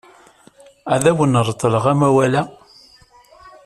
Ad awen-reḍleɣ amawal-a.